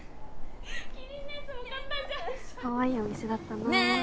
キリンのやつも簡単じゃんかわいいお店だったなねえ